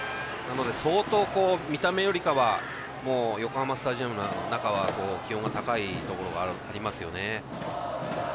相当、見た目よりかは横浜スタジアムの中は気温が高いところがありますよね。